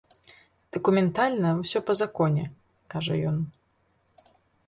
Дакументальна ўсё па законе, кажа ён.